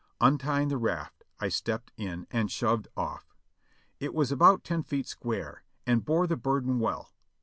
Untying the raft I stepped in and shoved off. It was about ten feet square, and bore the burden well.